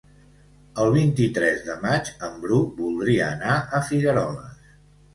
El vint-i-tres de maig en Bru voldria anar a Figueroles.